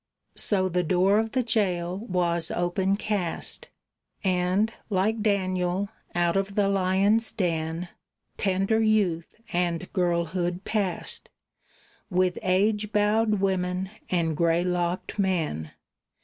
So the door of the jail was open cast, And, like Daniel, out of the lion's den Tender youth and girlhood passed, With age bowed women and gray locked men.